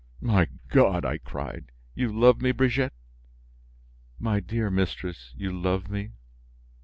"My God!" I cried, "you love me, Brigitte? My dear mistress, you love me?"